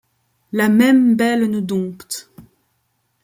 La même belle nous dompte